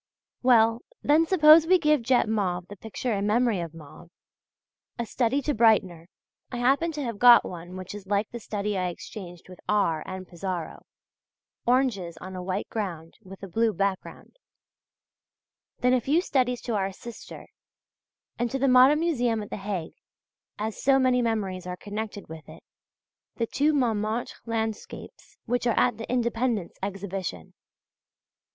Well, then, suppose we give Jet Mauve the picture in memory of Mauve, a study to Breitner (I happen to have got one which is like the study I exchanged with R. and Pissaro: oranges on a white ground, with a blue background) then a few studies to our sister, and to the Modern Museum at the Hague (as so many memories are connected with it) the two Montmartre landscapes which are at the Independants' exhibition.